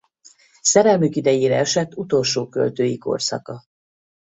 Szerelmük idejére esett utolsó költői korszaka.